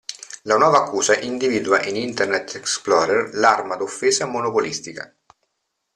La nuova accusa individua in Internet Explorer l'arma d'offesa monopolistica.